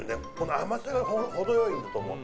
甘さが程良いと思う。